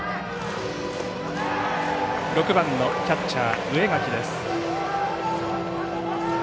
６番のキャッチャー植垣です。